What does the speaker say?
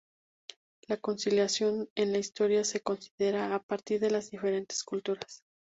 La consolidación en la historia se considera a partir de las diferentes culturas.